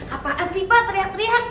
apaan sih pak teriak teriak